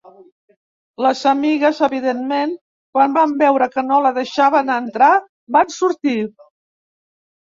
Les amigues, evidentment, quan van veure que no la deixaven entrar van sortir.